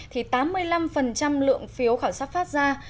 thì tám mươi năm lượng phiếu khảo sát phát ra